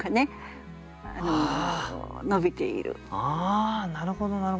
ああなるほどなるほど。